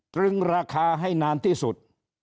ตรึงราคาให้นานที่สุด